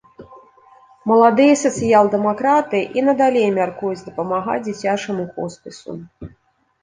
Маладыя сацыял-дэмакраты і надалей мяркуюць дапамагаць дзіцячаму хоспісу.